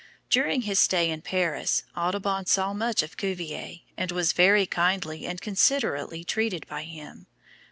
During his stay in Paris Audubon saw much of Cuvier, and was very kindly and considerately treated by him.